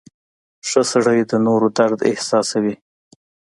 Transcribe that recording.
• ښه سړی د نورو درد احساسوي.